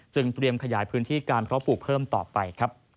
เตรียมขยายพื้นที่การเพาะปลูกเพิ่มต่อไป